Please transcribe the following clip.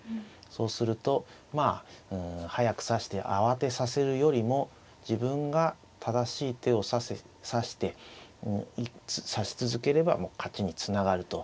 そうするとまあ速く指して慌てさせるよりも自分が正しい手を指して指し続ければもう勝ちにつながると。